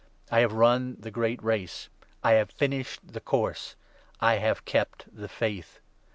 I have run the great 7 Race ; I have finished the Course ; I have kept the Faith.